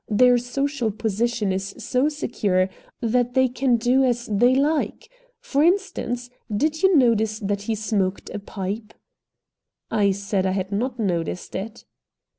Their social position is so secure that they can do as they like. For instance, did you notice that he smoked a pipe?" I said I had not noticed it.